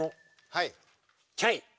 はい。